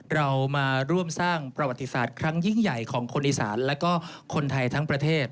เรามาร่วมสร้างประวัติศาสตร์ครั้งยิ่งใหญ่ของคนอีสานและก็คนไทยทั้งประเทศ